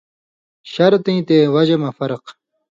شرط یی تے وجہۡ مہ فرق